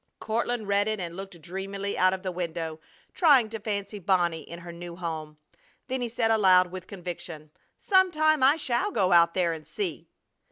Courtland read it and looked dreamily out of the window, trying to fancy Bonnie in her new home. Then he said aloud, with conviction, "Some time I shall go out there and see!"